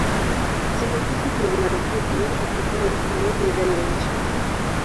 Siku hizi kuna madhehebu yote kutokana na uhamiaji ndani ya nchi.